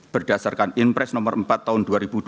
berdasarkan impres nomor empat tahun dua ribu dua puluh